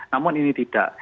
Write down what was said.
namun ini tidak